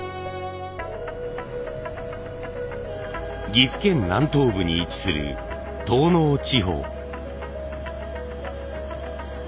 岐阜県南東部に位置する東濃地方。